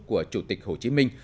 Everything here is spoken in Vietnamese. của chủ tịch hồ chí minh